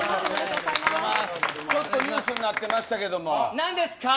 ちょっとニュースになってましたけども。